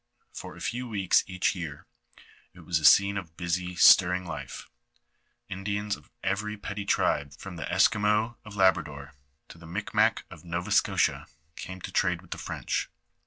For a few weeks each year, it was a scene of busy, stirring life; Indians of every petty tribe from the Esquimaux of Labrador, to the Mictnac of Nova Scotia, came to trade with the French.